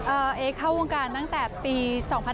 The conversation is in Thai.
เอ๊เข้าวงการตั้งแต่ปี๒๕๕๙